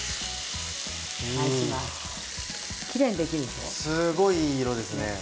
すごいいい色ですね。